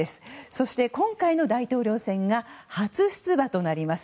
そして、今回の大統領選が初出馬となります。